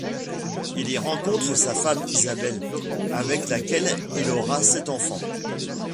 Il y rencontre sa femme Isabelle, avec laquelle il aura sept enfants.